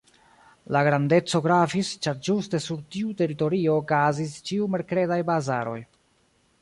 La grandeco gravis, ĉar ĝuste sur tiu teritorio okazis ĉiu-merkredaj bazaroj.